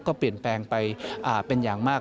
ก็เปลี่ยนแปลงไปเป็นอย่างมาก